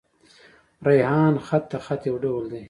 ریحان خط؛ د خط يو ډول دﺉ.